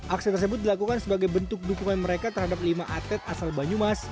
aksi tersebut dilakukan sebagai bentuk dukungan mereka terhadap lima atlet asal banyumas